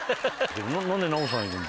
何でナヲさんいるの？